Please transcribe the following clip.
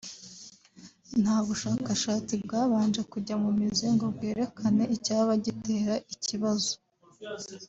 nta bushakashatsi bwabanje kujya mu mizi ngo bwerekane icyaba gitera ikibazo